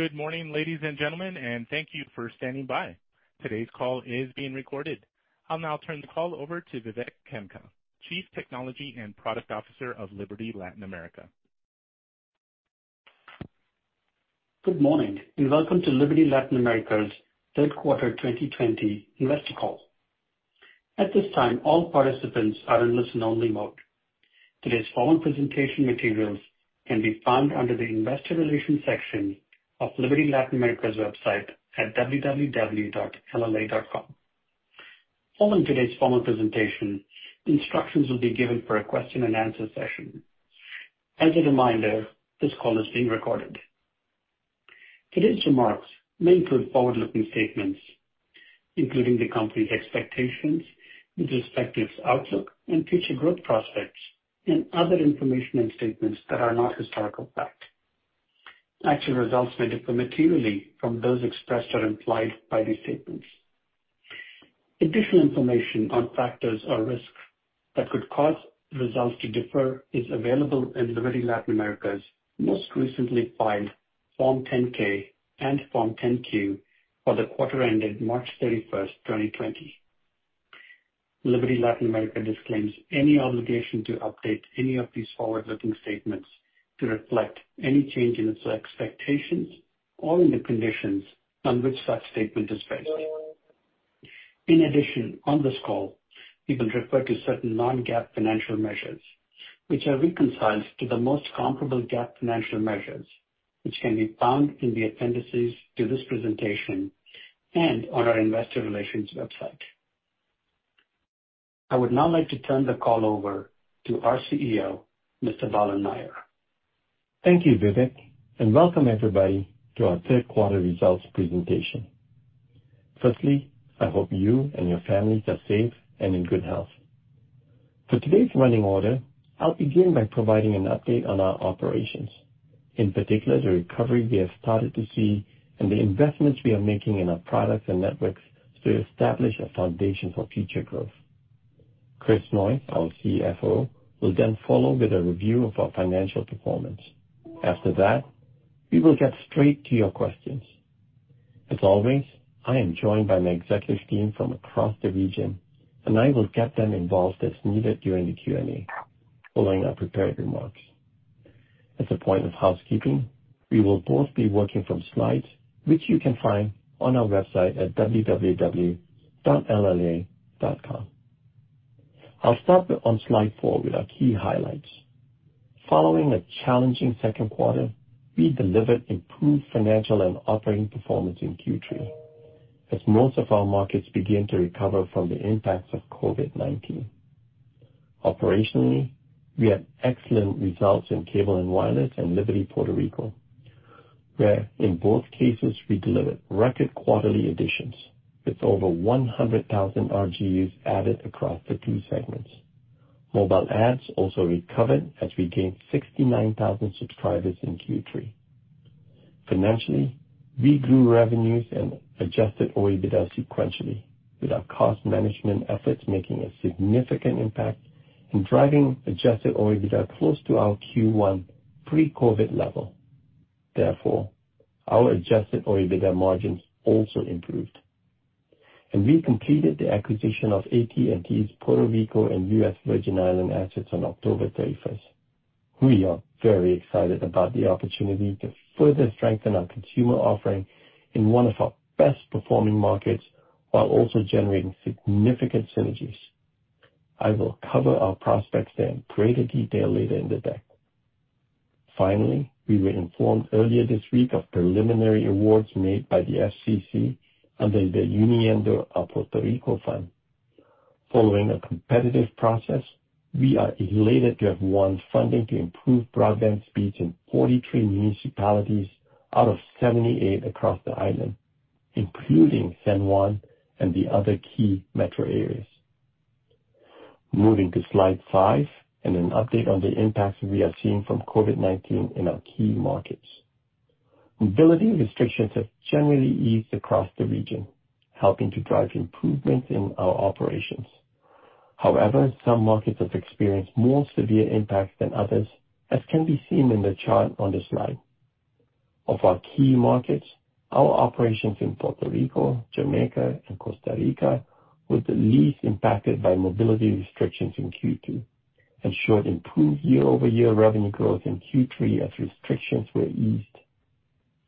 Good morning, ladies and gentlemen, and thank you for standing by. Today's call is being recorded. I'll now turn the call over to Vivek Khemka, Chief Technology and Product Officer of Liberty Latin America. Good morning, welcome to Liberty Latin America's third quarter 2020 investor call. At this time, all participants are in listen-only mode. Today's follow-on presentation materials can be found under the investor relations section of Liberty Latin America's website at www.lla.com. Following today's formal presentation, instructions will be given for a question and answer session. As a reminder, this call is being recorded. Today's remarks may include forward-looking statements, including the company's expectations, its respective outlook and future growth prospects, and other information and statements that are not historical fact. Actual results may differ materially from those expressed or implied by these statements. Additional information on factors or risks that could cause results to differ is available in Liberty Latin America's most recently filed Form 10-K and Form 10-Q for the quarter ended March 31st, 2020. Liberty Latin America disclaims any obligation to update any of these forward-looking statements to reflect any change in its expectations or in the conditions on which such statement is based. On this call, we will refer to certain non-GAAP financial measures, which are reconciled to the most comparable GAAP financial measures, which can be found in the appendices to this presentation and on our investor relations website. I would now like to turn the call over to our CEO, Mr. Balan Nair. Thank you, Vivek, and welcome everybody to our third quarter results presentation. Firstly, I hope you and your families are safe and in good health. For today's running order, I'll begin by providing an update on our operations. In particular, the recovery we have started to see and the investments we are making in our products and networks to establish a foundation for future growth. Chris Noyes, our CFO, will then follow with a review of our financial performance. After that, we will get straight to your questions. As always, I am joined by my executive team from across the region, and I will get them involved as needed during the Q&A following our prepared remarks. As a point of housekeeping, we will both be working from slides, which you can find on our website at www.lla.com. I'll start on slide four with our key highlights. Following a challenging second quarter, we delivered improved financial and operating performance in Q3. As most of our markets begin to recover from the impacts of COVID-19. Operationally, we had excellent results in Cable & Wireless and Liberty Puerto Rico, where in both cases we delivered record quarterly additions with over 100,000 RGUs added across the two segments. Mobile adds also recovered as we gained 69,000 subscribers in Q3. Financially, we grew revenues and Adjusted OIBDA sequentially with our cost management efforts making a significant impact in driving Adjusted OIBDA close to our Q1 pre-COVID level. Therefore, our Adjusted OIBDA margins also improved. We completed the acquisition of AT&T's Puerto Rico and U.S. Virgin Islands assets on October 31st. We are very excited about the opportunity to further strengthen our consumer offering in one of our best performing markets, while also generating significant synergies. I will cover our prospects there in greater detail later in the deck. Finally, we were informed earlier this week of preliminary awards made by the FCC under the Uniendo a Puerto Rico Fund. Following a competitive process, we are elated to have won funding to improve broadband speeds in 43 municipalities out of 78 across the island, including San Juan and the other key metro areas. Moving to slide five and an update on the impacts we are seeing from COVID-19 in our key markets. Mobility restrictions have generally eased across the region, helping to drive improvements in our operations. However, some markets have experienced more severe impacts than others, as can be seen in the chart on this slide. Of our key markets, our operations in Puerto Rico, Jamaica, and Costa Rica were the least impacted by mobility restrictions in Q2 and showed improved year-over-year revenue growth in Q3 as restrictions were eased.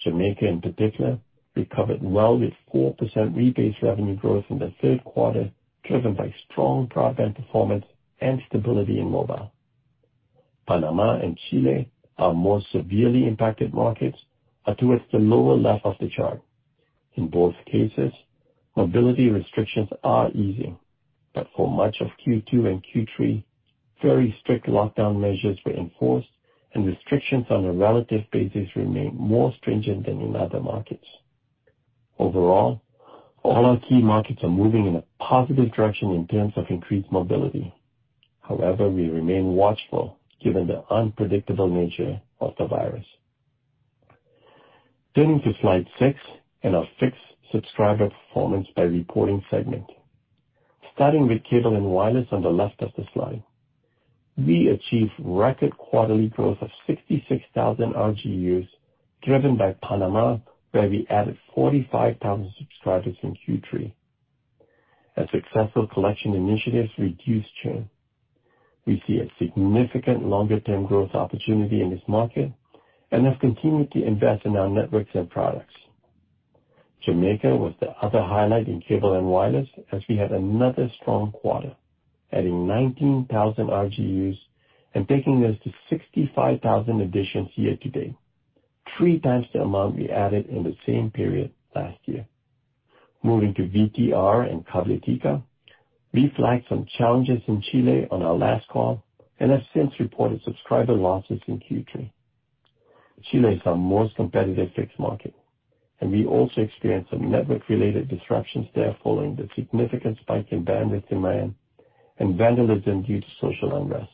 Jamaica, in particular, recovered well with 4% rebased revenue growth in the third quarter, driven by strong broadband performance and stability in mobile. Panama and Chile, our more severely impacted markets, are towards the lower left of the chart. In both cases, mobility restrictions are easing. For much of Q2 and Q3, very strict lockdown measures were enforced and restrictions on a relative basis remained more stringent than in other markets. Overall, all our key markets are moving in a positive direction in terms of increased mobility. However, we remain watchful given the unpredictable nature of the virus. Turning to slide six and our fixed subscriber performance by reporting segment. Starting with Cable & Wireless on the left of the slide. We achieved record quarterly growth of 66,000 RGUs, driven by Panama, where we added 45,000 subscribers in Q3. As successful collection initiatives reduce churn, we see a significant longer-term growth opportunity in this market and have continued to invest in our networks and products. Jamaica was the other highlight in Cable & Wireless, as we had another strong quarter, adding 19,000 RGUs and taking us to 65,000 additions year-to-date, three times the amount we added in the same period last year. Moving to VTR and Cabletica, we flagged some challenges in Chile on our last call and have since reported subscriber losses in Q3. Chile is our most competitive fixed market, and we also experienced some network-related disruptions there following the significant spike in bandwidth demand and vandalism due to social unrest.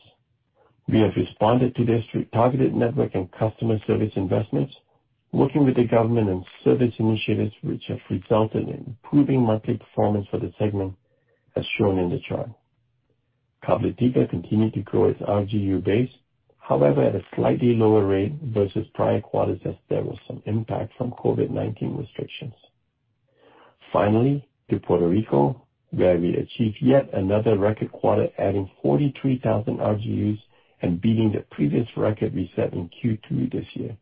We have responded to this through targeted network and customer service investments, working with the government and service initiatives, which have resulted in improving monthly performance for the segment, as shown in the chart. Cabletica continued to grow its RGU base, however, at a slightly lower rate versus prior quarters, as there was some impact from COVID-19 restrictions. Finally, to Puerto Rico, where we achieved yet another record quarter, adding 43,000 RGUs and beating the previous record we set in Q2 this year.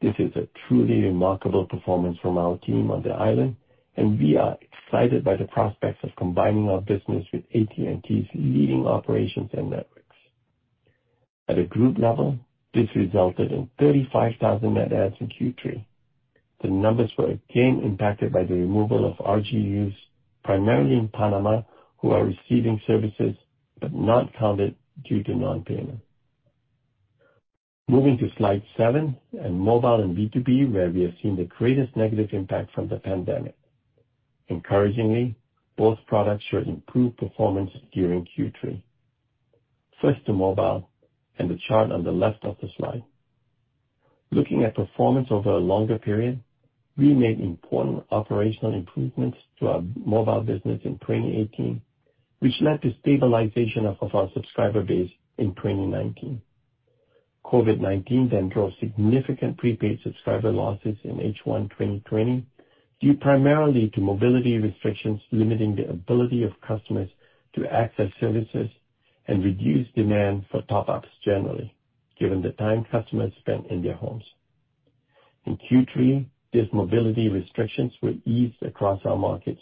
This is a truly remarkable performance from our team on the island, and we are excited by the prospects of combining our business with AT&T's leading operations and networks. At a group level, this resulted in 35,000 net adds in Q3. The numbers were again impacted by the removal of RGUs, primarily in Panama, who are receiving services but not counted due to non-payment. Moving to slide seven on Mobile and B2B, where we have seen the greatest negative impact from the pandemic. Encouragingly, both products showed improved performance during Q3. First to mobile, the chart on the left of the slide. Looking at performance over a longer period, we made important operational improvements to our mobile business in 2018, which led to stabilization of our subscriber base in 2019. COVID-19 drove significant prepaid subscriber losses in H1 2020, due primarily to mobility restrictions limiting the ability of customers to access services and reduce demand for top-ups generally, given the time customers spent in their homes. In Q3, these mobility restrictions were eased across our markets,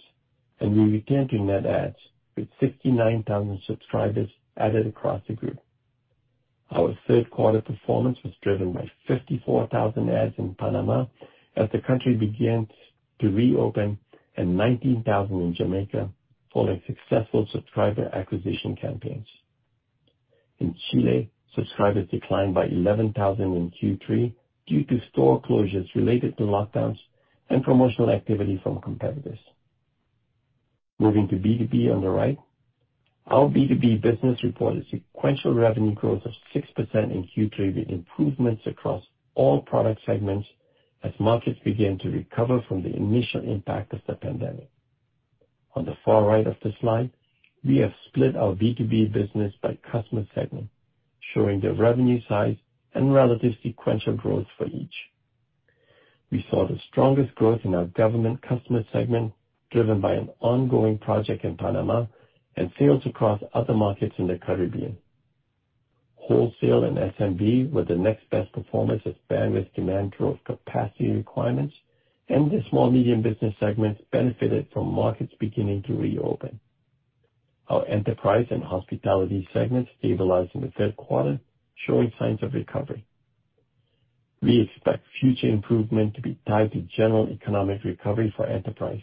we returned to net adds, with 59,000 subscribers added across the group. Our third quarter performance was driven by 54,000 adds in Panama as the country began to reopen and 19,000 in Jamaica following successful subscriber acquisition campaigns. In Chile, subscribers declined by 11,000 in Q3 due to store closures related to lockdowns and promotional activity from competitors. Moving to B2B on the right. Our B2B business reported sequential revenue growth of 6% in Q3, with improvements across all product segments as markets began to recover from the initial impact of the pandemic. On the far right of the slide, we have split our B2B business by customer segment, showing the revenue size and relative sequential growth for each. We saw the strongest growth in our government customer segment, driven by an ongoing project in Panama and sales across other markets in the Caribbean. Wholesale and SMB were the next best performers as bandwidth demand drove capacity requirements, and the small medium business segments benefited from markets beginning to reopen. Our enterprise and hospitality segments stabilized in the third quarter, showing signs of recovery. We expect future improvement to be tied to general economic recovery for enterprise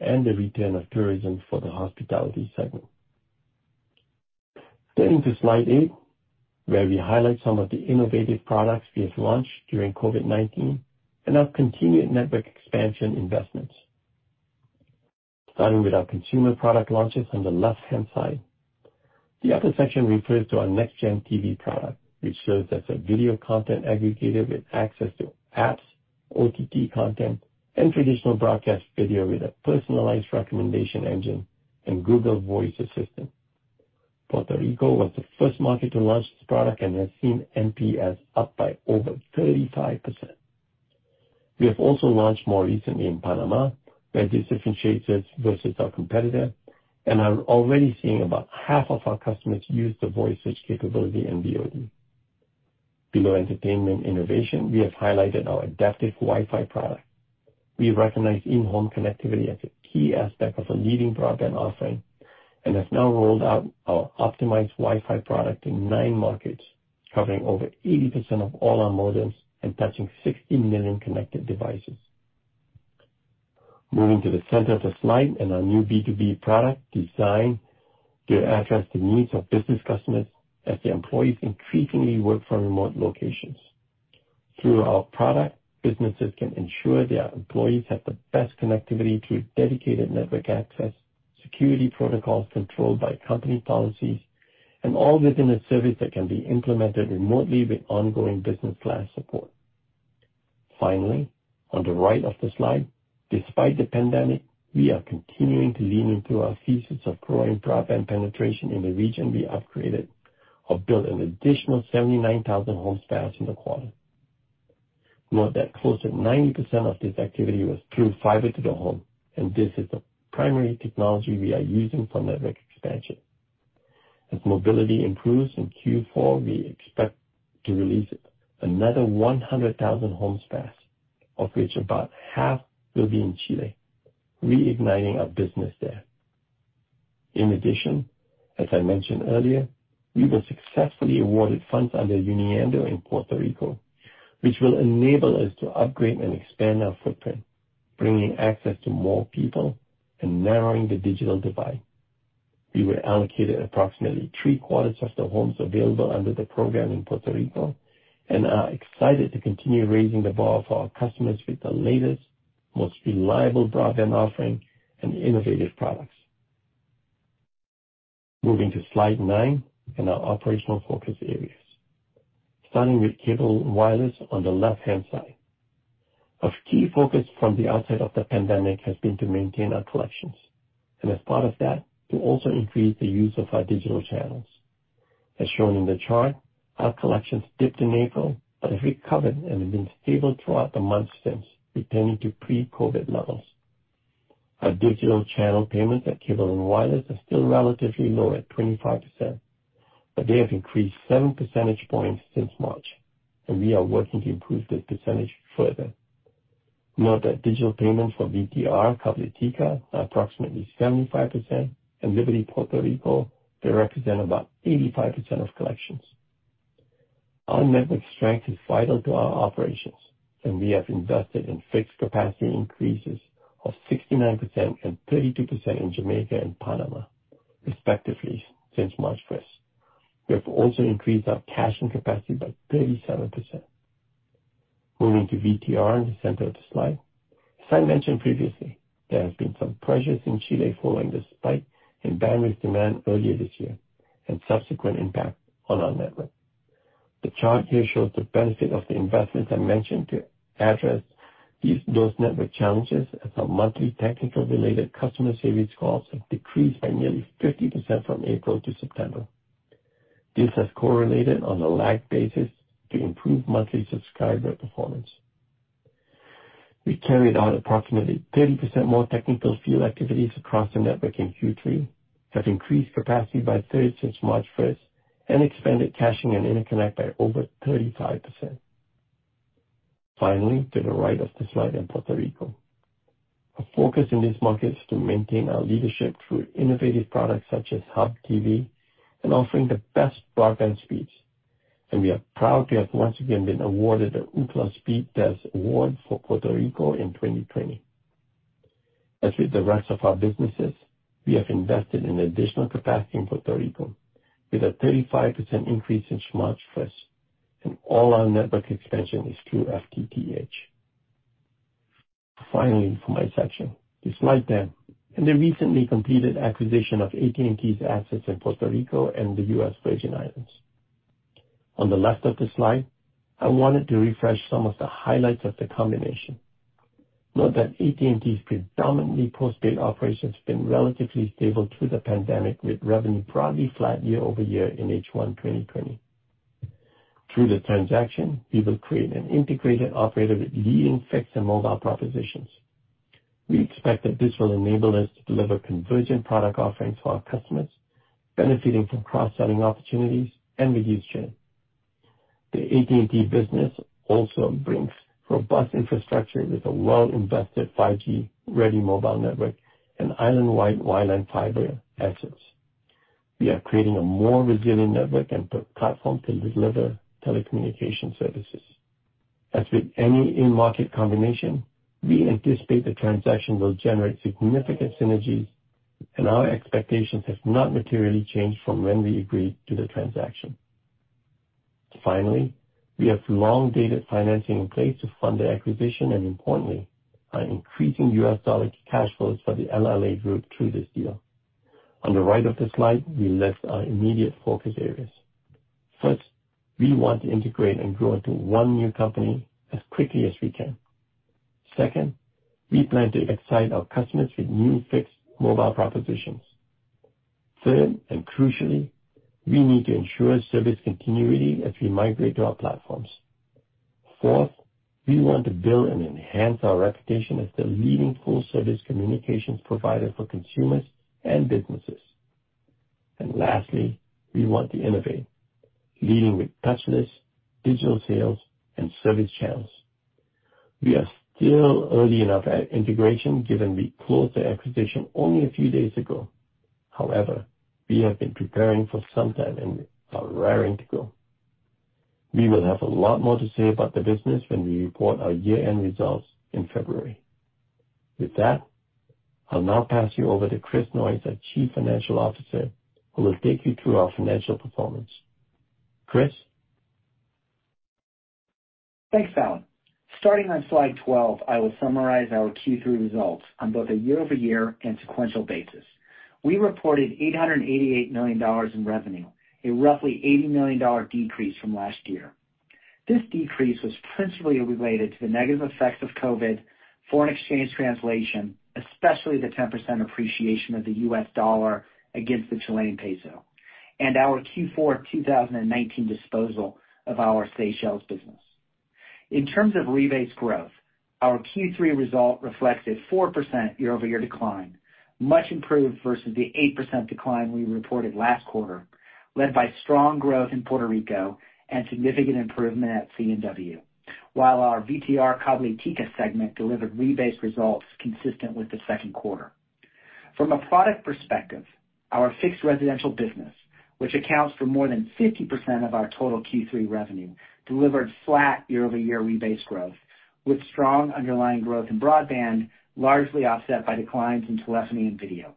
and the return of tourism for the hospitality segment. Getting to slide eight, where we highlight some of the innovative products we have launched during COVID-19 and our continued network expansion investments. Starting with our consumer product launches on the left-hand side. The upper section refers to our next-gen TV product, which serves as a video content aggregator with access to apps, OTT content, and traditional broadcast video with a personalized recommendation engine and Google Assistant. Puerto Rico was the first market to launch this product and has seen NPS up by over 35%. We have also launched more recently in Panama, where it differentiates us versus our competitor and are already seeing about half of our customers use the voice search capability in VOD. Below entertainment innovation, we have highlighted our adaptive Wi-Fi product. We recognize in-home connectivity as a key aspect of a leading broadband offering and have now rolled out our optimized Wi-Fi product in nine markets, covering over 80% of all our modems and touching 60 million connected devices. Moving to the center of the slide and our new B2B product designed to address the needs of business customers as their employees increasingly work from remote locations. Through our product, businesses can ensure their employees have the best connectivity through dedicated network access, security protocols controlled by company policies, and all within a service that can be implemented remotely with ongoing business class support. Finally, on the right of the slide, despite the pandemic, we are continuing to lean into our thesis of growing broadband penetration in the region we operate in or build an additional 79,000 homes passed in the quarter. Note that close to 90% of this activity was through fiber-to-the-home, and this is the primary technology we are using for network expansion. As mobility improves in Q4, we expect to release another 100,000 homes passed, of which about half will be in Chile, reigniting our business there. In addition, as I mentioned earlier, we were successfully awarded funds under Uniendo a Puerto Rico, which will enable us to upgrade and expand our footprint, bringing access to more people and narrowing the digital divide. We were allocated approximately 3/4 of the homes available under the program in Puerto Rico and are excited to continue raising the bar for our customers with the latest, most reliable broadband offering and innovative products. Moving to slide nine and our operational focus areas. Starting with Cable & Wireless on the left-hand side. Our key focus from the outset of the pandemic has been to maintain our collections, and as part of that, to also increase the use of our digital channels. As shown in the chart, our collections dipped in April but have recovered and have been stable throughout the months since, returning to pre-COVID-19 levels. Our digital channel payments at Cable & Wireless are still relatively low at 25%, but they have increased 7 percentage points since March, and we are working to improve this percentage further. Note that digital payments for VTR, Cabletica, are approximately 75%, and Liberty Puerto Rico, they represent about 85% of collections. Our network strength is vital to our operations, and we have invested in fixed capacity increases of 69% and 32% in Jamaica and Panama, respectively, since March 1st. We have also increased our caching capacity by 37%. Moving to VTR in the center of the slide. As I mentioned previously, there have been some pressures in Chile following the spike in bandwidth demand earlier this year and subsequent impact on our network. The chart here shows the benefit of the investments I mentioned to address those network challenges as our monthly technical-related customer service calls have decreased by nearly 50% from April to September. This has correlated on a lag basis to improve monthly subscriber performance. We carried out approximately 30% more technical field activities across the network in Q3, have increased capacity by 30% since March 1st, and expanded caching and interconnect by over 35%. Finally, to the right of the slide in Puerto Rico. Our focus in this market is to maintain our leadership through innovative products such as Hub TV and offering the best broadband speeds. We are proud to have once again been awarded the Ookla Speedtest award for Puerto Rico in 2020. As with the rest of our businesses, we have invested in additional capacity in Puerto Rico with a 35% increase since March 1st, and all our network expansion is through FTTH. Finally, for my section, to slide 10, and the recently completed acquisition of AT&T's assets in Puerto Rico and the U.S. Virgin Islands. On the left of the slide, I wanted to refresh some of the highlights of the combination. Note that AT&T's predominantly postpaid operations have been relatively stable through the pandemic, with revenue broadly flat year-over-year in H1 2020. Through the transaction, we will create an integrated operator with leading fixed and mobile propositions. We expect that this will enable us to deliver convergent product offerings to our customers, benefiting from cross-selling opportunities and reduced churn. The AT&T business also brings robust infrastructure with a well-invested 5G-ready mobile network and island-wide wireline fiber assets. We are creating a more resilient network and platform to deliver telecommunication services. As with any in-market combination, we anticipate the transaction will generate significant synergies, and our expectations have not materially changed from when we agreed to the transaction. Finally, we have long-dated financing in place to fund the acquisition and importantly, are increasing U.S. dollar cash flows for the LLA group through this deal. On the right of the slide, we list our immediate focus areas. First, we want to integrate and grow into one new company as quickly as we can. Second, we plan to excite our customers with new fixed mobile propositions. Third, and crucially, we need to ensure service continuity as we migrate to our platforms. Fourth, we want to build and enhance our reputation as the leading full-service communications provider for consumers and businesses. Lastly, we want to innovate, leading with touchless digital sales and service channels. We are still early enough at integration, given we closed the acquisition only a few days ago. However, we have been preparing for some time and are raring to go. We will have a lot more to say about the business when we report our year-end results in February. With that, I'll now pass you over to Chris Noyes, our Chief Financial Officer, who will take you through our financial performance. Chris? Thanks, Balan. Starting on slide 12, I will summarize our Q3 results on both a year-over-year and sequential basis. We reported $888 million in revenue, a roughly $80 million decrease from last year. This decrease was principally related to the negative effects of COVID-19, foreign exchange translation, especially the 10% appreciation of the U.S. dollar against the Chilean peso, and our Q4 2019 disposal of our Seychelles business. In terms of rebased growth, our Q3 result reflected 4% year-over-year decline, much improved versus the 8% decline we reported last quarter, led by strong growth in Puerto Rico and significant improvement at C&W, while our VTR Cabletica segment delivered rebased results consistent with the second quarter. From a product perspective, our fixed residential business, which accounts for more than 50% of our total Q3 revenue, delivered flat year-over-year rebased growth, with strong underlying growth in broadband largely offset by declines in telephony and video.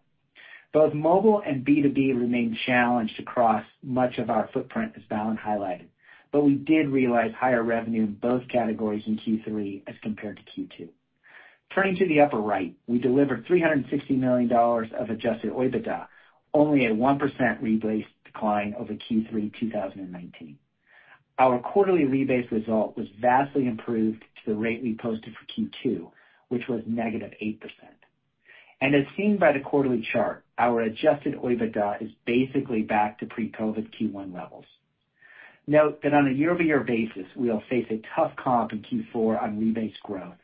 Both mobile and B2B remain challenged across much of our footprint, as Balan highlighted, we did realize higher revenue in both categories in Q3 as compared to Q2. Turning to the upper right, we delivered $360 million of Adjusted OIBDA, only a 1% rebased decline over Q3 2019. Our quarterly rebased result was vastly improved to the rate we posted for Q2, which was -8%. As seen by the quarterly chart, our Adjusted OIBDA is basically back to pre-COVID Q1 levels. Note that on a year-over-year basis, we'll face a tough comp in Q4 on rebased growth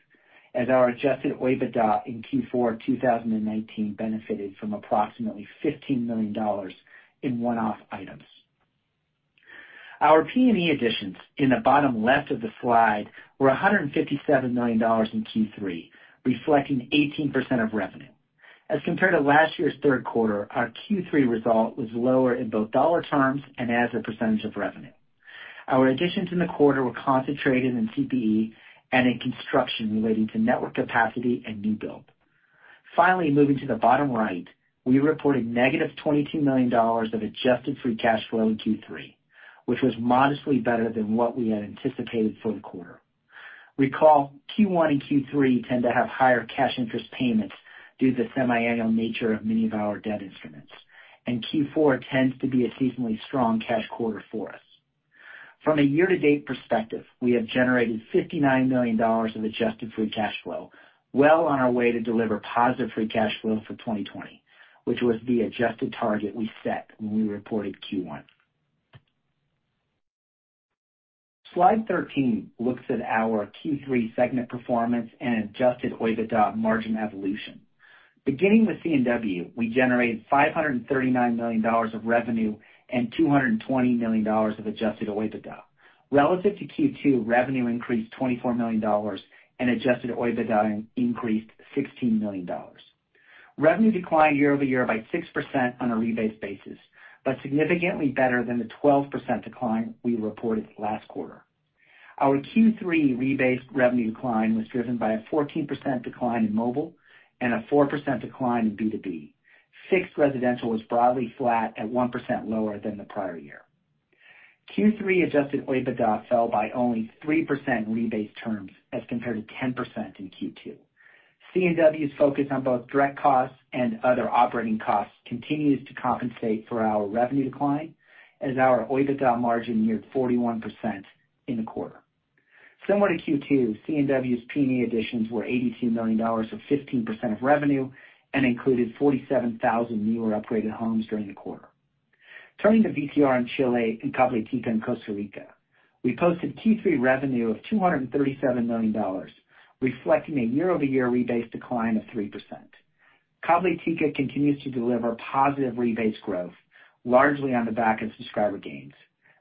as our Adjusted OIBDA in Q4 2019 benefited from approximately $15 million in one-off items. Our P&E additions in the bottom left of the slide were $157 million in Q3, reflecting 18% of revenue. As compared to last year's third quarter, our Q3 result was lower in both dollar terms and as a percentage of revenue. Our additions in the quarter were concentrated in CPE and in construction relating to network capacity and new build. Finally, moving to the bottom right, we reported -$22 million of Adjusted Free Cash Flow in Q3, which was modestly better than what we had anticipated for the quarter. Recall, Q1 and Q3 tend to have higher cash interest payments due to the semiannual nature of many of our debt instruments, and Q4 tends to be a seasonally strong cash quarter for us. From a year-to-date perspective, we have generated $59 million of Adjusted Free Cash Flow, well on our way to deliver positive free cash flow for 2020, which was the adjusted target we set when we reported Q1. Slide 13 looks at our Q3 segment performance and Adjusted OIBDA margin evolution. Beginning with C&W, we generated $539 million of revenue and $220 million of Adjusted OIBDA. Relative to Q2, revenue increased $24 million and Adjusted OIBDA increased $16 million. Revenue declined year-over-year by 6% on a rebased basis, but significantly better than the 12% decline we reported last quarter. Our Q3 rebased revenue decline was driven by a 14% decline in mobile and a 4% decline in B2B. Fixed residential was broadly flat at 1% lower than the prior year. Q3 Adjusted OIBDA fell by only 3% in rebased terms as compared to 10% in Q2. C&W's focus on both direct costs and other operating costs continues to compensate for our revenue decline as our OIBDA margin neared 41% in the quarter. Similar to Q2, C&W's P&E additions were $82 million, or 15% of revenue, and included 47,000 new or upgraded homes during the quarter. Turning to VTR in Chile and Cabletica in Costa Rica, we posted Q3 revenue of $237 million, reflecting a year-over-year rebased decline of 3%. Cabletica continues to deliver positive rebased growth, largely on the back of subscriber gains.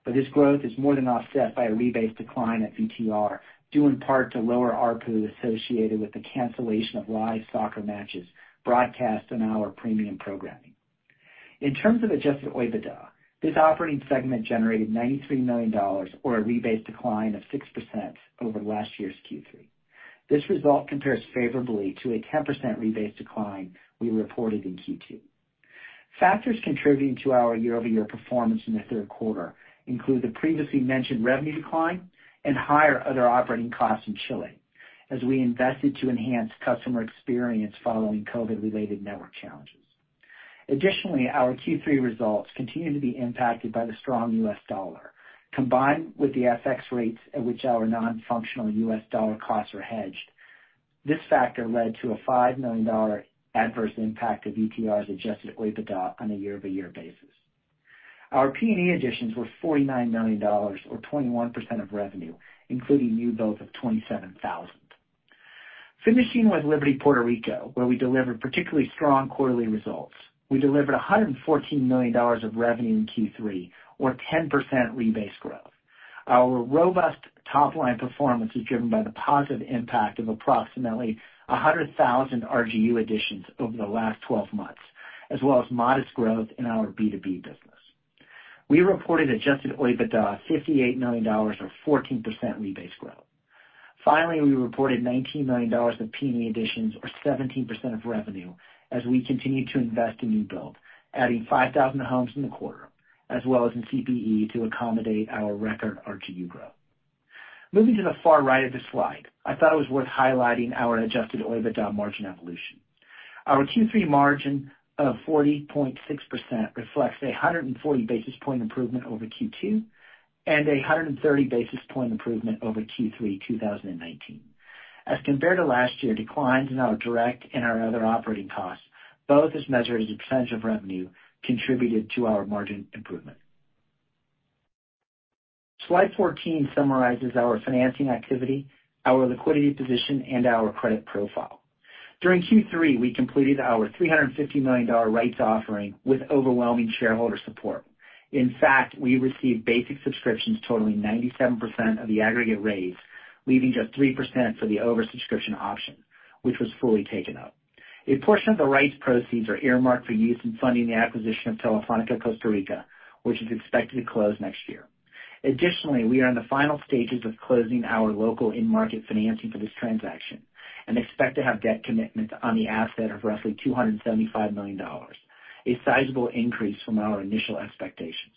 This growth is more than offset by a rebased decline at VTR, due in part to lower ARPU associated with the cancellation of live soccer matches broadcast on our premium programming. In terms of Adjusted OIBDA, this operating segment generated $93 million, or a rebased decline of 6% over last year's Q3. This result compares favorably to a 10% rebased decline we reported in Q2. Factors contributing to our year-over-year performance in the third quarter include the previously mentioned revenue decline and higher other operating costs in Chile as we invested to enhance customer experience following COVID-related network challenges. Additionally, our Q3 results continue to be impacted by the strong U.S. dollar. Combined with the FX rates at which our non-functional U.S. dollar costs are hedged, this factor led to a $5 million adverse impact of VTR's Adjusted OIBDA on a year-over-year basis. Our P&E additions were $49 million, or 21% of revenue, including new builds of 27,000. Finishing with Liberty Puerto Rico, where we delivered particularly strong quarterly results. We delivered $114 million of revenue in Q3, or 10% rebased growth. Our robust top-line performance was driven by the positive impact of approximately 100,000 RGU additions over the last 12 months, as well as modest growth in our B2B business. We reported Adjusted OIBDA $58 million or 14% rebased growth. Finally, we reported $19 million of P&E additions or 17% of revenue as we continued to invest in new build, adding 5,000 homes in the quarter, as well as in CPE to accommodate our record RGU growth. Moving to the far right of the slide, I thought it was worth highlighting our Adjusted OIBDA margin evolution. Our Q3 margin of 40.6% reflects a 140-basis-point improvement over Q2 and 130-basis-point improvement over Q3 2019. As compared to last year, declines in our direct and our other operating costs, both as measured as a percentage of revenue, contributed to our margin improvement. Slide 14 summarizes our financing activity, our liquidity position, and our credit profile. During Q3, we completed our $350 million rights offering with overwhelming shareholder support. In fact, we received basic subscriptions totaling 97% of the aggregate raise, leaving just 3% for the over-subscription option, which was fully taken up. A portion of the rights proceeds are earmarked for use in funding the acquisition of Telefónica Costa Rica, which is expected to close next year. Additionally, we are in the final stages of closing our local in-market financing for this transaction and expect to have debt commitments on the asset of roughly $275 million, a sizable increase from our initial expectations.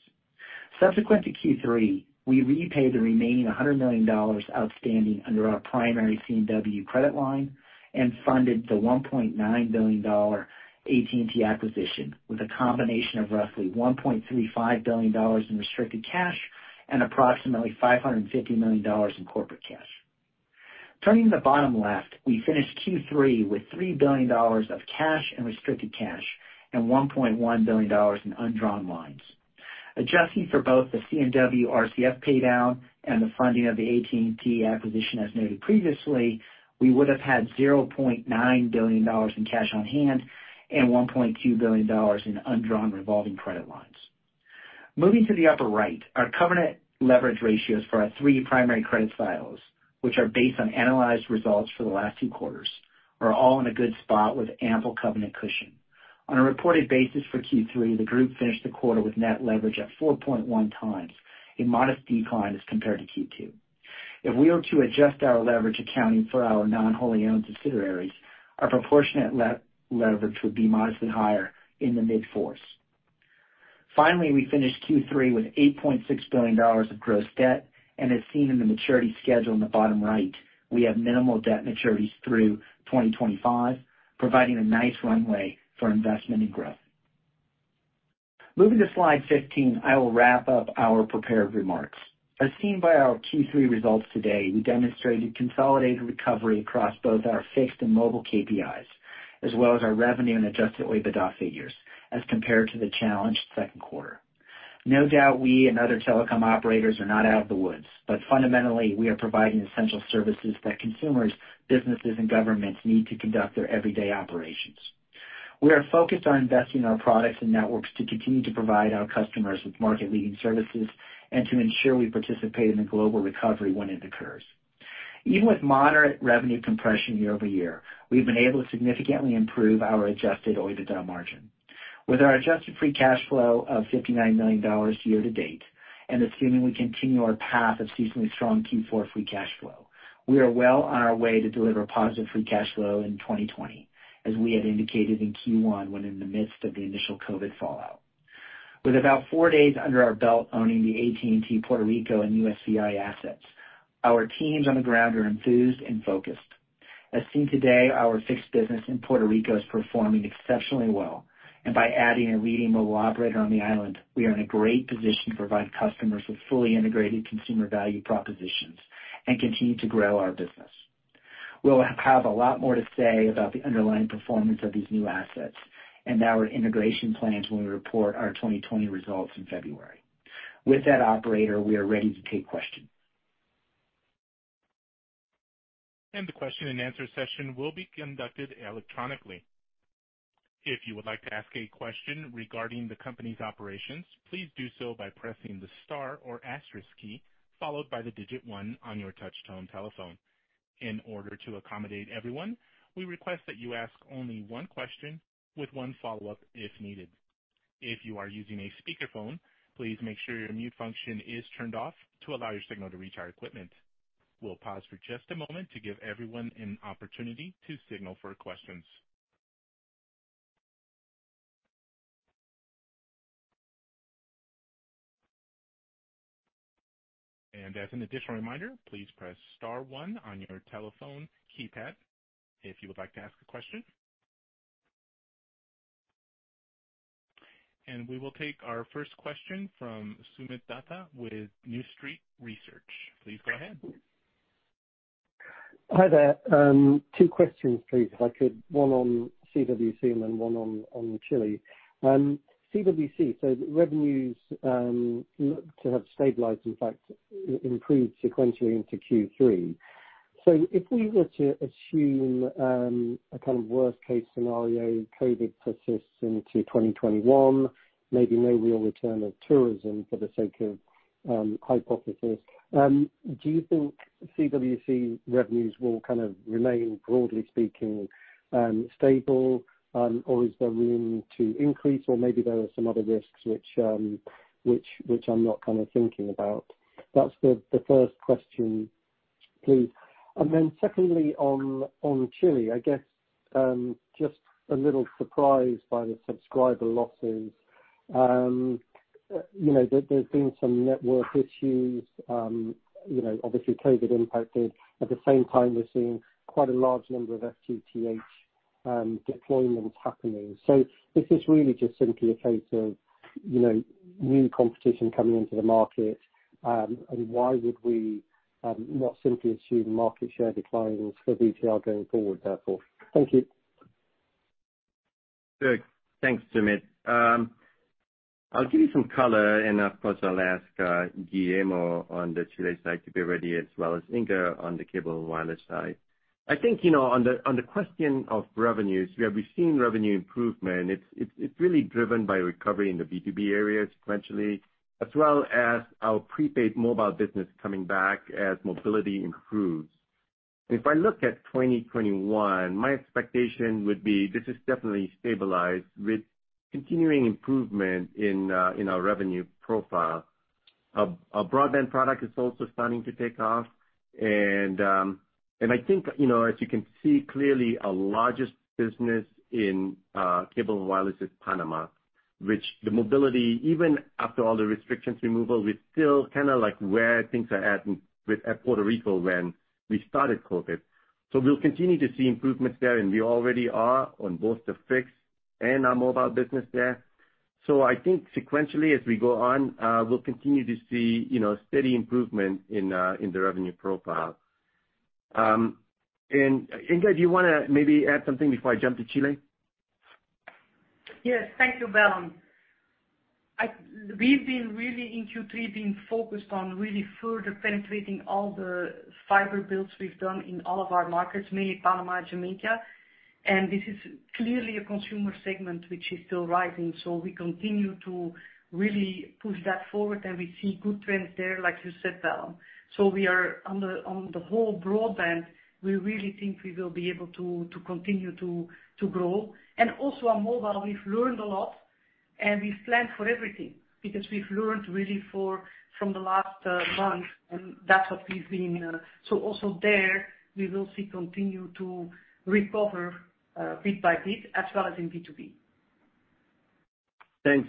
Subsequent to Q3, we repaid the remaining $100 million outstanding under our primary C&W credit line and funded the $1.9 billion AT&T acquisition with a combination of roughly $1.35 billion in restricted cash and approximately $550 million in corporate cash. Turning to the bottom left, we finished Q3 with $3 billion of cash and restricted cash and $1.1 billion in undrawn lines. Adjusting for both the C&W RCF paydown and the funding of the AT&T acquisition as noted previously, we would have had $0.9 billion in cash on hand and $1.2 billion in undrawn revolving credit lines. Moving to the upper right, our covenant leverage ratios for our three primary credit silos, which are based on analyzed results for the last two quarters, are all in a good spot with ample covenant cushion. On a reported basis for Q3, the group finished the quarter with net leverage at 4.1 times, a modest decline as compared to Q2. If we are to adjust our leverage accounting for our non-wholly owned subsidiaries, our proportionate leverage would be modestly higher in the mid-4s. Finally, we finished Q3 with $8.6 billion of gross debt, and as seen in the maturity schedule in the bottom right, we have minimal debt maturities through 2025, providing a nice runway for investment and growth. Moving to Slide 15, I will wrap up our prepared remarks. As seen by our Q3 results today, we demonstrated consolidated recovery across both our fixed and mobile KPIs, as well as our revenue and Adjusted OIBDA figures as compared to the challenged second quarter. No doubt, we and other telecom operators are not out of the woods, but fundamentally, we are providing essential services that consumers, businesses, and governments need to conduct their everyday operations. We are focused on investing in our products and networks to continue to provide our customers with market-leading services and to ensure we participate in the global recovery when it occurs. Even with moderate revenue compression year-over-year, we've been able to significantly improve our Adjusted OIBDA margin. With our Adjusted Free Cash Flow of $59 million year to date, and assuming we continue our path of seasonally strong Q4 free cash flow, we are well on our way to deliver positive free cash flow in 2020, as we had indicated in Q1 when in the midst of the initial COVID-19 fallout. With about four days under our belt owning the AT&T Puerto Rico and U.S.V.I. assets, our teams on the ground are enthused and focused. As seen today, our fixed business in Puerto Rico is performing exceptionally well, and by adding a leading mobile operator on the island, we are in a great position to provide customers with fully integrated consumer value propositions and continue to grow our business. We'll have a lot more to say about the underlying performance of these new assets and our integration plans when we report our 2020 results in February. With that, operator, we are ready to take questions. The question and answer session will be conducted electronically. In order to accommodate everyone, we request that you ask only one question with one follow-up if needed. If you are using a speakerphone, please make sure your mute function is turned off to allow your signal to reach our equipment. We'll pause for just a moment to give everyone an opportunity to signal for questions. We will take our first question from Soomit Datta with New Street Research. Please go ahead. Hi there. Two questions, please, if I could, one on CWC and one on Chile. CWC, revenues look to have stabilized, in fact, improved sequentially into Q3. If we were to assume a kind of worst-case scenario, COVID persists into 2021, maybe no real return of tourism for the sake of hypothesis, do you think CWC revenues will remain, broadly speaking, stable? Is there room to increase? Maybe there are some other risks which I'm not thinking about. That's the first question. Please. Secondly, on Chile, I guess just a little surprised by the subscriber losses. There's been some network issues. Obviously COVID impacted. At the same time, we're seeing quite a large number of FTTH deployments happening. Is this really just simply a case of new competition coming into the market? Why would we not simply assume market share declines for VTR going forward, therefore? Thank you. Sure. Thanks, Soomit. I'll give you some color and of course, I'll ask Guillermo on the Chile side to be ready as well as Inge on the Cable & Wireless side. I think, on the question of revenues, yeah, we've seen revenue improvement. It's really driven by recovery in the B2B area sequentially, as well as our prepaid mobile business coming back as mobility improves. If I look at 2021, my expectation would be this is definitely stabilized with continuing improvement in our revenue profile. Our broadband product is also starting to take off. I think, as you can see clearly, our largest business in Cable & Wireless is Panama, which the mobility, even after all the restrictions removal, we're still like where things are at Puerto Rico when we started COVID-19. We'll continue to see improvements there, and we already are on both the fixed and our mobile business there. I think sequentially, as we go on, we'll continue to see steady improvement in the revenue profile. Inge, do you want to maybe add something before I jump to Chile? Yes. Thank you, Balan. We've been really in Q3 being focused on really further penetrating all the fiber builds we've done in all of our markets, mainly Panama and Jamaica. This is clearly a consumer segment which is still rising. We continue to really push that forward, and we see good trends there, like you said, Balan. We are on the whole broadband, we really think we will be able to continue to grow. Also on mobile, we've learned a lot, and we've planned for everything because we've learned really from the last month. Also there, we will see continue to recover bit by bit as well as in B2B. Thanks,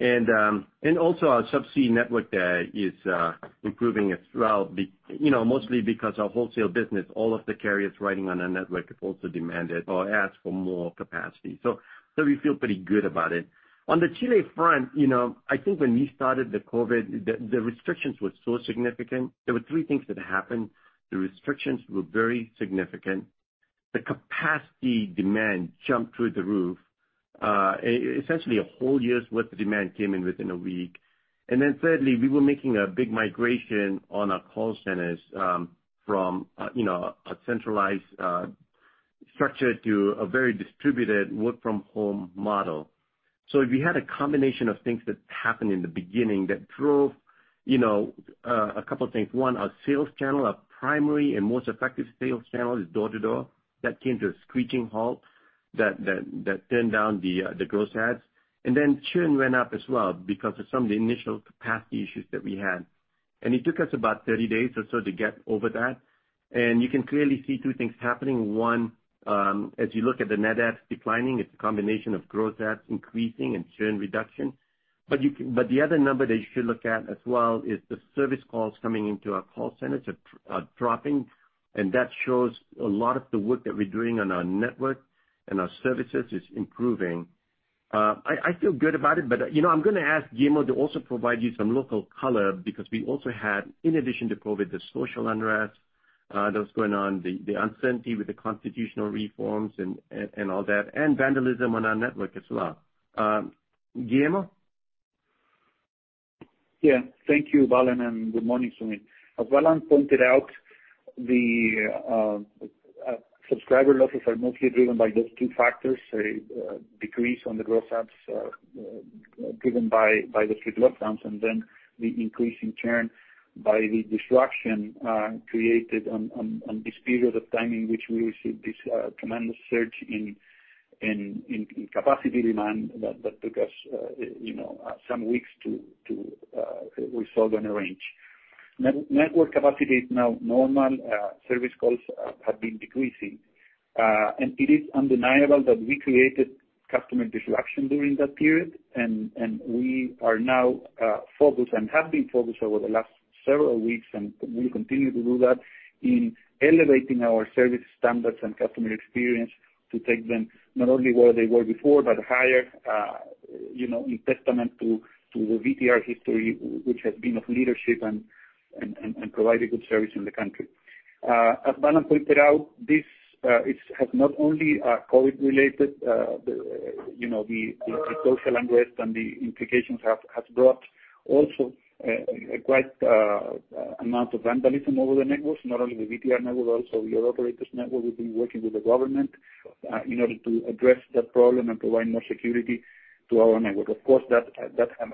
Inge. Also our subsea network there is improving as well, mostly because our wholesale business, all of the carriers riding on our network have also demanded or asked for more capacity. We feel pretty good about it. On the Chile front, I think when we started the COVID, the restrictions were so significant. There were three things that happened. The restrictions were very significant. The capacity demand jumped through the roof. Essentially a whole year's worth of demand came in within a week. Thirdly, we were making a big migration on our call centers from a centralized structure to a very distributed work-from-home model. We had a combination of things that happened in the beginning that drove a couple of things. One, our sales channel, our primary and most effective sales channel is door-to-door. That came to a screeching halt that turned down the gross adds. Churn went up as well because of some of the initial capacity issues that we had. It took us about 30 days or so to get over that. You can clearly see two things happening. One, as you look at the net adds declining, it's a combination of gross adds increasing and churn reduction. The other number that you should look at as well is the service calls coming into our call centers are dropping, and that shows a lot of the work that we're doing on our network and our services is improving. I feel good about it, but I'm going to ask Guillermo to also provide you some local color because we also had, in addition to COVID, the social unrest that was going on, the uncertainty with the constitutional reforms and all that, and vandalism on our network as well. Guillermo? Yeah. Thank you, Balan. Good morning, Soomit. As Balan pointed out, the subscriber losses are mostly driven by those two factors, a decrease on the gross adds driven by the strict lockdowns, and then the increase in churn by the disruption created on this period of time in which we received this tremendous surge in capacity demand that took us some weeks to resolve and arrange. Network capacity is now normal. Service calls have been decreasing. It is undeniable that we created customer disruption during that period, and we are now focused and have been focused over the last several weeks, and we will continue to do that in elevating our service standards and customer experience to take them not only where they were before, but higher in testament to the VTR history, which has been of leadership and providing good service in the country. As Balan pointed out, this has not only COVID-related. The social unrest and the implications have brought also quite amount of vandalism over the networks, not only the VTR network, also your operator's network. We've been working with the government in order to address that problem and provide more security to our network. Of course, that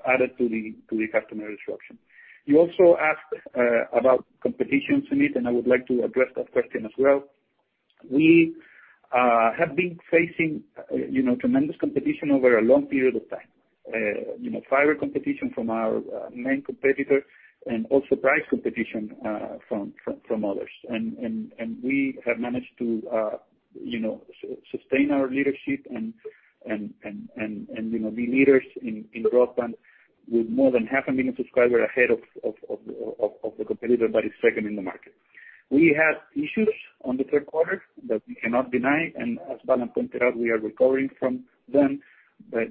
added to the customer disruption. You also asked about competition, Soomit, I would like to address that question as well. We have been facing tremendous competition over a long period of time. Fiber competition from our main competitor, also price competition from others. We have managed to sustain our leadership and be leaders in broadband with more than 500,000 subscribers ahead of the competitor that is second in the market. We had issues in the third quarter that we cannot deny. As pointed out, we are recovering from them,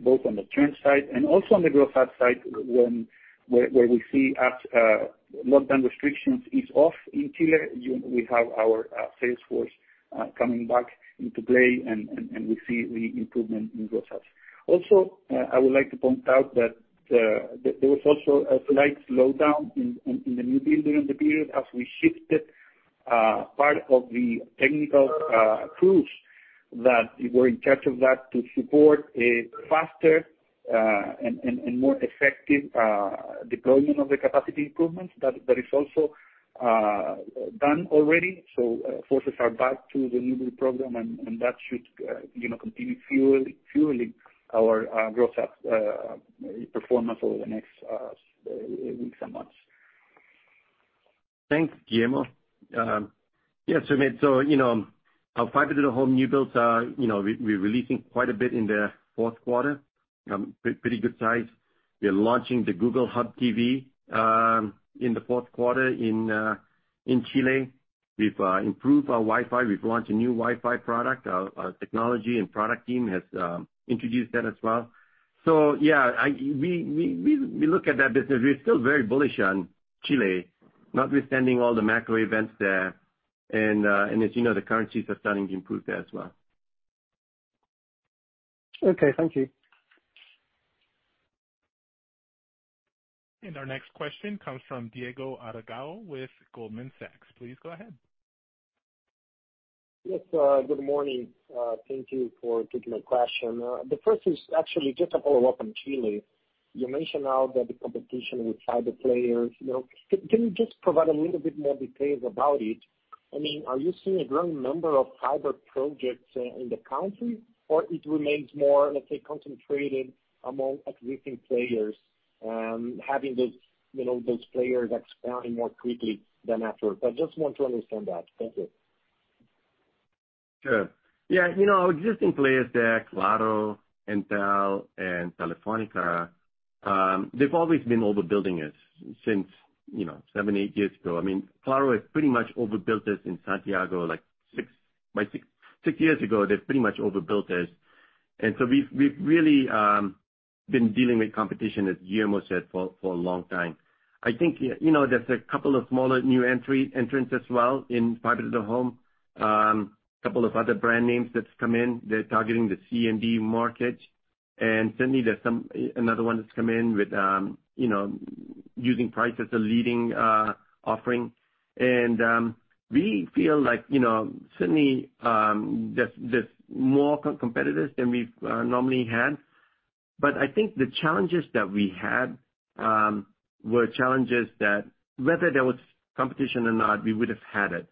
both on the churn side and also on the growth side, where we see as lockdown restrictions ease off in Chile, we have our sales force coming back into play, and we see the improvement in growth rates. Also, I would like to point out that there was also a slight slowdown in the new build during the period as we shifted part of the technical crews that were in charge of that to support a faster and more effective deployment of the capacity improvements. That is also done already. Forces are back to the new build program and that should continue fueling our growth performance over the next weeks and months. Thanks, Guillermo. Yes, Soomit, our fiber-to-the-home new builds, we're releasing quite a bit in the fourth quarter. Pretty good size. We're launching the Google Hub TV in the fourth quarter in Chile. We've improved our Wi-Fi. We've launched a new Wi-Fi product. Our technology and product team has introduced that as well. Yeah, we look at that business. We're still very bullish on Chile, notwithstanding all the macro events there, and as you know, the currencies are starting to improve there as well. Okay. Thank you. Our next question comes from Diego Aragao with Goldman Sachs. Please go ahead. Yes, good morning. Thank you for taking my question. The first is actually just a follow-up on Chile. You mentioned now that the competition with fiber players. Can you just provide a little bit more details about it? Are you seeing a growing number of fiber projects in the country, or it remains more, let's say, concentrated among existing players and having those players expanding more quickly than afterwards? I just want to understand that. Thank you. Sure. Yeah. Existing players there, Claro, Entel, and Telefónica, they've always been overbuilding us since seven, eight years ago. Claro has pretty much overbuilt us in Santiago. Six years ago, they pretty much overbuilt us. So we've really been dealing with competition, as Guillermo said, for a long time. I think there's a couple of smaller new entrants as well in fiber-to-the-home. Couple of other brand names that's come in. They're targeting the C and D market. Certainly, there's another one that's come in with using price as a leading offering. We feel like certainly there's more competitors than we've normally had. I think the challenges that we had were challenges that whether there was competition or not, we would have had it.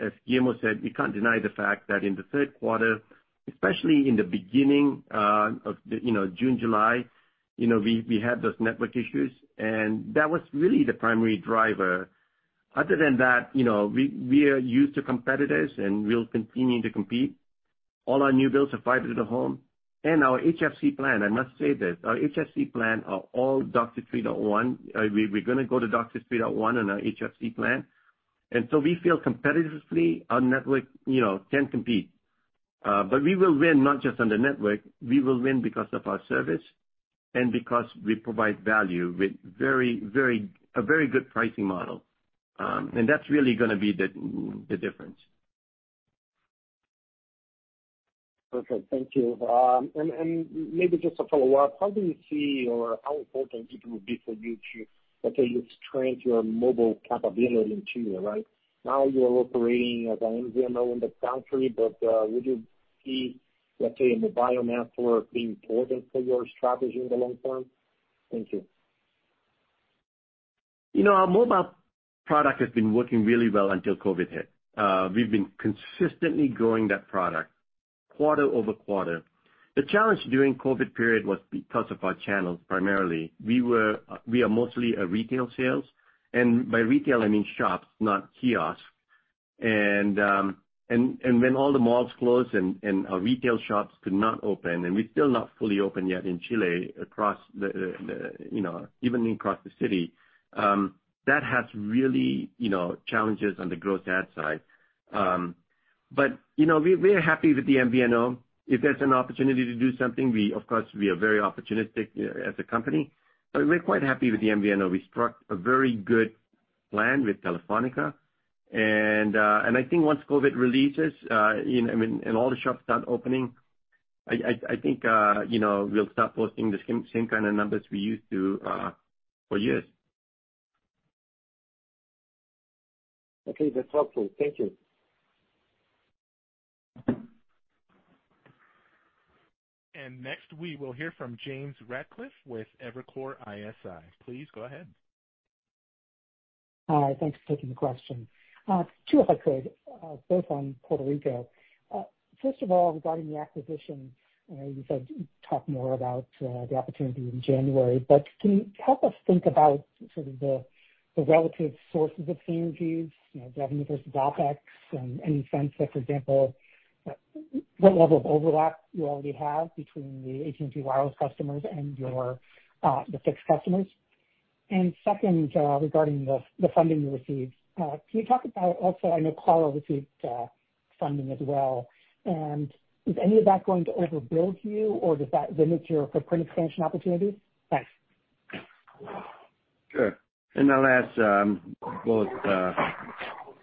As Guillermo said, you can't deny the fact that in the third quarter, especially in the beginning of June, July, we had those network issues, and that was really the primary driver. Other than that, we are used to competitors, we'll continue to compete. All our new builds are fiber-to-the-home. Our HFC plant, I must say this, our HFC plant are all DOCSIS 3.1. We're going to go to DOCSIS 3.1 on our HFC plant. We feel competitively our network can compete. We will win not just on the network, we will win because of our service and because we provide value with a very good pricing model. That's really going to be the difference. Perfect. Thank you. Maybe just a follow-up. How do you see or how important it will be for you to, let's say, you expand your mobile capability in Chile, right? Now you're operating as an MVNO in the country, but would you see, let's say, in the buyout network being important for your strategy in the long term? Thank you. Our mobile product has been working really well until COVID hit. We've been consistently growing that product quarter-over-quarter. The challenge during COVID period was because of our channels, primarily. We are mostly a retail sales. By retail, I mean shops, not kiosks. When all the malls closed and our retail shops could not open, and we're still not fully open yet in Chile, even across the city, that has really challenges on the gross add side. We are happy with the MVNO. If there's an opportunity to do something, of course, we are very opportunistic as a company. We're quite happy with the MVNO. We struck a very good plan with Telefónica. I think once COVID releases and all the shops start opening, I think we'll start posting the same kind of numbers we used to for years. Okay. That's helpful. Thank you. Next we will hear from James Ratcliffe with Evercore ISI. Please go ahead. Hi, thanks for taking the question. Two, if I could, both on Puerto Rico. First of all, regarding the acquisition, you said you'd talk more about the opportunity in January, but can you help us think about the relative sources of synergies, revenue versus OpEx and any sense that, for example, what level of overlap you already have between the AT&T Wireless customers and the fixed customers? Second, regarding the funding you received, can you talk about also, I know Claro received funding as well, and is any of that going to overbuild you or does that limit your footprint expansion opportunity? Thanks. Sure. I'll ask both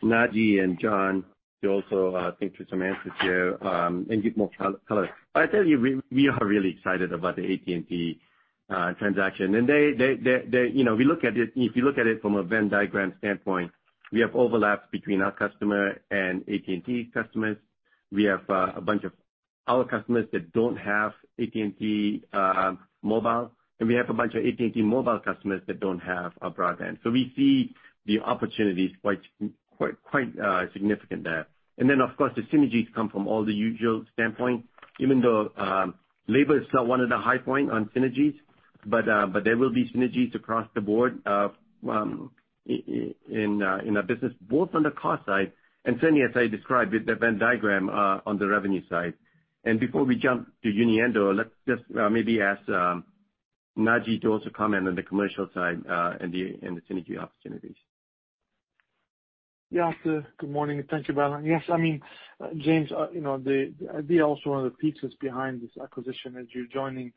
Naji and John to also answer here and give more color. I tell you, we are really excited about the AT&T transaction. If you look at it from a Venn diagram standpoint, we have overlaps between our customer and AT&T customers. We have a bunch of our customers that don't have AT&T Mobile, and we have a bunch of AT&T mobile customers that don't have our broadband. We see the opportunity is quite significant there. Of course, the synergies come from all the usual standpoint, even though labor is not one of the high point on synergies, but there will be synergies across the board in our business, both on the cost side and certainly as I described with the Venn diagram on the revenue side. Before we jump to Uniendo, let's just maybe ask Naji to also comment on the commercial side and the synergy opportunities. Good morning, and thank you, Balan. Yes, James, the idea also one of the pieces behind this acquisition is you're joining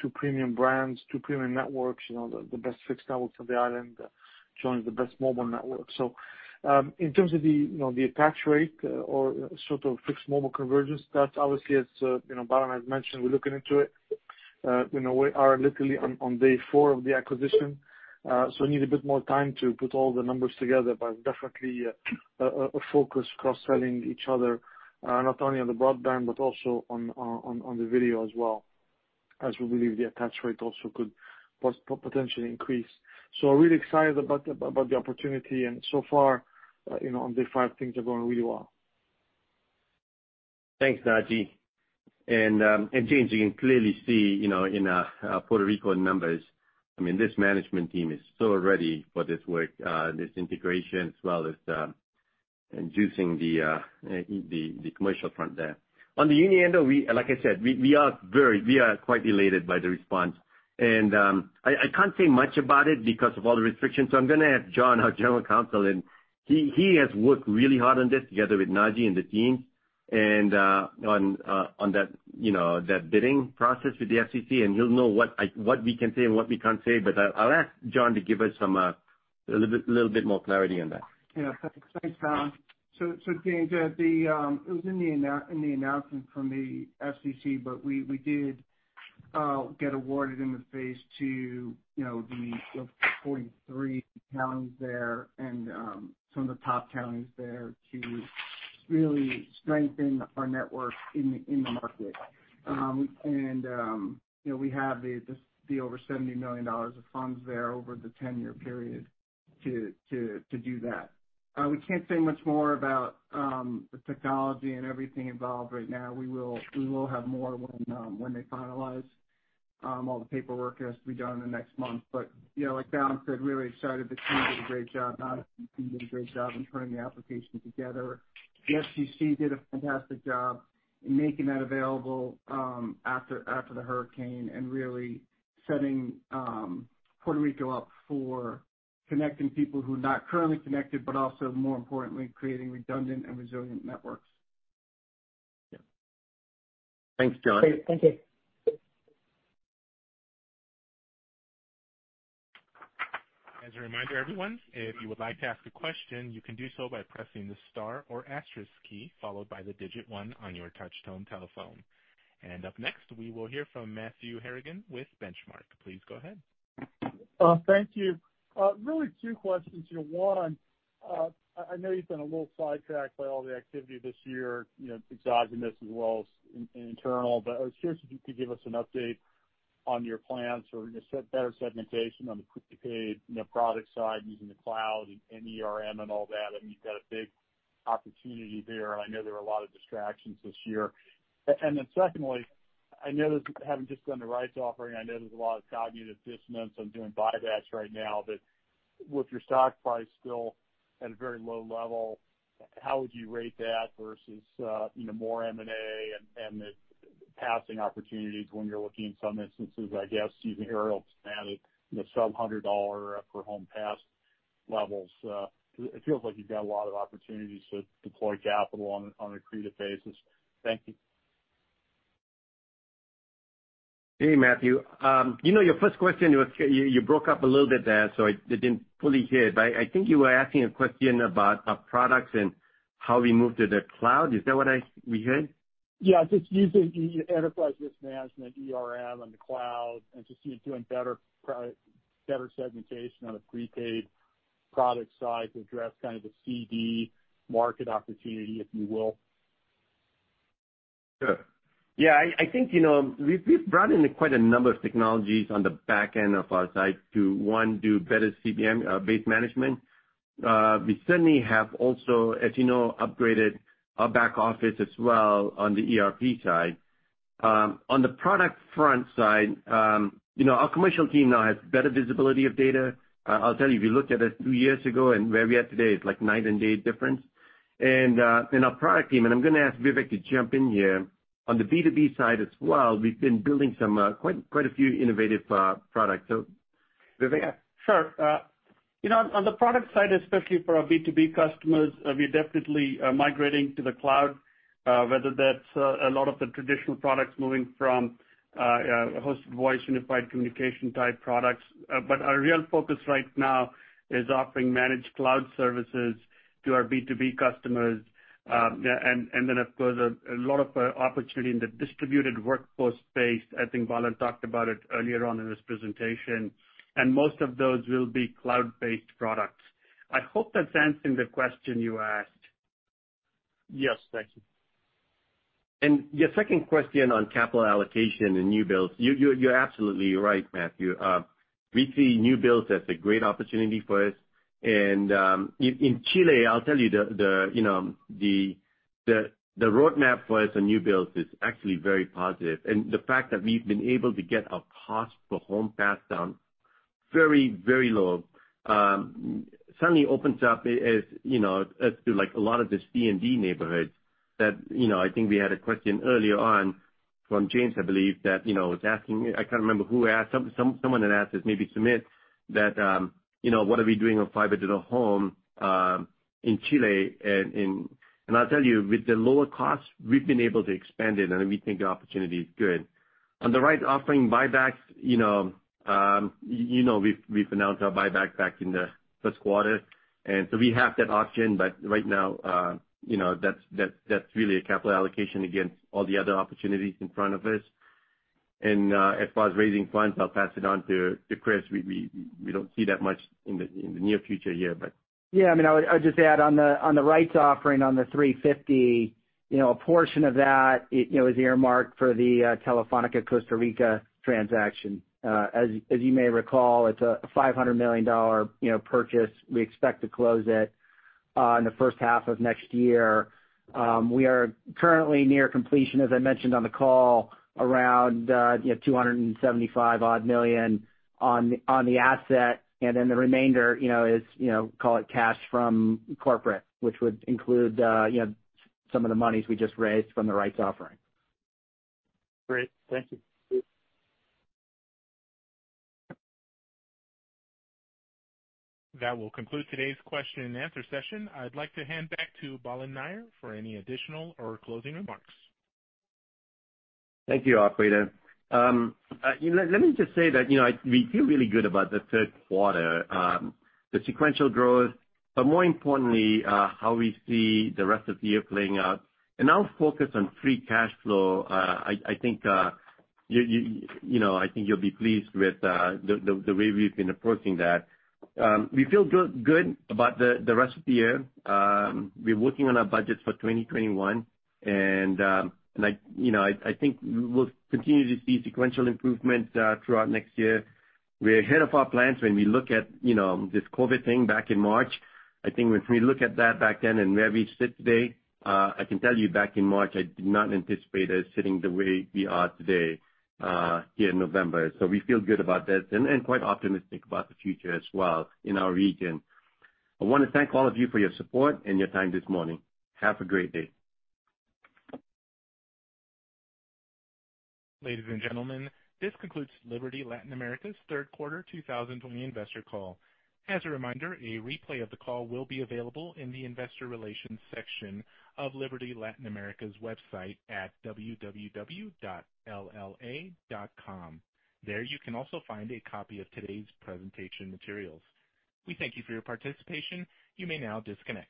two premium brands, two premium networks, the best fixed networks on the island joins the best mobile network. In terms of the attach rate or fixed mobile convergence, that's obviously as Balan has mentioned, we're looking into it. We are literally on day four of the acquisition, so we need a bit more time to put all the numbers together, but definitely a focus cross-selling each other, not only on the broadband but also on the video as well, as we believe the attach rate also could potentially increase. Really excited about the opportunity, and so far, on day five, things are going really well. Thanks, Naji. James, you can clearly see in our Puerto Rico numbers, this management team is so ready for this work, this integration, as well as juicing the commercial front there. On the Uniendo, like I said, we are quite elated by the response. I can't say much about it because of all the restrictions, so I'm going to have John, our General Counsel, and he has worked really hard on this together with Naji and the team on that bidding process with the FCC, and he'll know what we can say and what we can't say. I'll ask John to give us a little bit more clarity on that. Yeah. Thanks, Balan. James, it was in the announcement from the FCC, but we did get awarded in the phase two, the 43 counties there and some of the top counties there to really strengthen our network in the market. We have the over $70 million of funds there over the 10-year period to do that. We can't say much more about the technology and everything involved right now. We will have more when they finalize all the paperwork that has to be done in the next month. Like Balan said, We are really excited. The team did a great job. Naji and the team did a great job in turning the application together. The FCC did a fantastic job in making that available after the hurricane and really setting Puerto Rico up for connecting people who are not currently connected, but also, more importantly, creating redundant and resilient networks. Yeah. Thanks, John. Great. Thank you. As a reminder everyone, if you would like to ask a question, you can do so by pressing the star or asterisk key followed by the digit one on your touch-tone telephone. And up next, we will hear from Matthew Harrigan with Benchmark. Please go ahead. Thank you. Really two questions here. One, I know you've been a little sidetracked by all the activity this year, exogenous as well as internal, but I was curious if you could give us an update on your plans for better segmentation on the prepaid product side using the cloud and CRM and all that. I mean, you've got a big opportunity there, and I know there were a lot of distractions this year. Secondly, having just done the rights offering, I know there's a lot of cognitive dissonance on doing buybacks right now, but with your stock price still at a very low level, how would you rate that versus more M&A and the passing opportunities when you're looking in some instances, I guess, using aerials sub-$100 per home passed levels. It feels like you've got a lot of opportunities to deploy capital on an accretive basis. Thank you. Hey, Matthew. Your first question, you broke up a little bit there, so I didn't fully hear it, but I think you were asking a question about our products and how we moved to the cloud. Is that what we heard? Yeah, just using enterprise risk management, CRM on the cloud and just you doing better segmentation on a prepaid product side to address kind of the C and D market opportunity, if you will. Sure. Yeah, I think, we've brought in quite a number of technologies on the back end of our site to, one, do better CVM, base management. We certainly have also, as you know, upgraded our back office as well on the ERP side. On the product front side, our commercial team now has better visibility of data. I'll tell you, if you looked at us two years ago and where we are today, it's like night and day difference. Our product team, and I'm gonna ask Vivek to jump in here. On the B2B side as well, we've been building quite a few innovative products. Vivek? Sure. On the product side, especially for our B2B customers, we're definitely migrating to the cloud, whether that's a lot of the traditional products moving from hosted voice unified communication type products. Our real focus right now is offering managed cloud services to our B2B customers. Of course, a lot of opportunity in the distributed workforce space. I think Balan talked about it earlier on in his presentation. Most of those will be cloud-based products. I hope that's answering the question you asked. Yes. Thank you. Your second question on capital allocation and new builds. You're absolutely right, Matthew. We see new builds as a great opportunity for us. In Chile, I'll tell you, the roadmap for us on new builds is actually very positive. The fact that we've been able to get our cost per home passed down very, very low, suddenly opens up as to, like, a lot of the C and D neighborhoods that I think we had a question earlier on from James, I believe that was asking. I can't remember who asked. Someone had asked this, maybe Soomit, what are we doing on fiber-to-the-home in Chile? I'll tell you, with the lower cost, we've been able to expand it, and we think the opportunity is good. On the rights offering buybacks, you know we've announced our buyback back in the first quarter. We have that option, but right now, that's really a capital allocation against all the other opportunities in front of us. As far as raising funds, I'll pass it on to Chris. We don't see that much in the near future here. I mean, I would just add on the rights offering on the $350, a portion of that is earmarked for the Telefónica Costa Rica transaction. As you may recall, it's a $500 million purchase. We expect to close it in the first half of next year. We are currently near completion, as I mentioned on the call, around $275 odd million on the asset, and then the remainder is call it cash from corporate, which would include some of the monies we just raised from the rights offering. Great. Thank you. Sure. That will conclude today's question and answer session. I'd like to hand back to Balan Nair for any additional or closing remarks. Thank you, operator. Let me just say that we feel really good about the third quarter. The sequential growth, but more importantly, how we see the rest of the year playing out and our focus on free cash flow. I think you'll be pleased with the way we've been approaching that. We feel good about the rest of the year. We're working on our budgets for 2021, and I think we'll continue to see sequential improvement throughout next year. We're ahead of our plans when we look at this COVID-19 thing back in March. I think when we look at that back then and where we sit today, I can tell you back in March, I did not anticipate us sitting the way we are today here in November. We feel good about that and quite optimistic about the future as well in our region. I want to thank all of you for your support and your time this morning. Have a great day. Ladies and gentlemen, this concludes Liberty Latin America's third quarter 2020 investor call. As a reminder, a replay of the call will be available in the investor relations section of Liberty Latin America's website at www.lla.com. There you can also find a copy of today's presentation materials. We thank you for your participation. You may now disconnect.